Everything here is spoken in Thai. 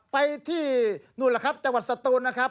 ไปที่นู่นล่ะครับจังหวัดสตูนนะครับ